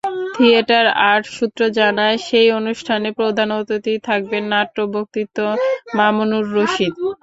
Theatre art সূত্র জানায়, সেই অনুষ্ঠানে প্রধান অতিথি থাকবেন নাট্যব্যক্তিত্ব মামুনুর রশীদ।